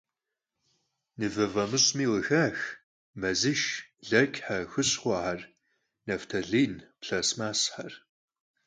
Mıve f'amış'mi khıxax mezışş, leçxer, xuşxhuexer, naftalin, plastmassxer.